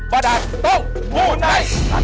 บรรดาตรงมูไนท์